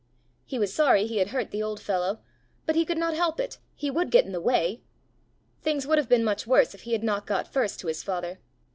He was sorry he had hurt the old fellow, but he could not help it! he would get in the way! Things would have been much worse if he had not got first to his father!